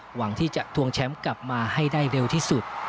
หวังที่จะทวงแชมป์กลับมาให้ได้เร็วที่สุด